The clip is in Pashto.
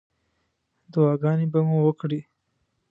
دعاګانې به مو وکړې.